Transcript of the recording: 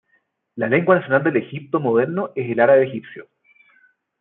La lengua nacional del Egipto moderno es el árabe egipcio.